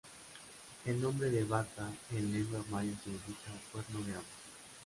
El nombre de Baca en lengua maya significa "Cuerno de agua".